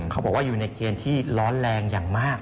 เขาบอกว่าอยู่ในเกณฑ์ที่ร้อนแรงอย่างมาก